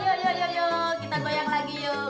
yuk yuk yuk yuk kita goyang lagi yuk